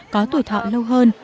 có tuổi thọ lâu hơn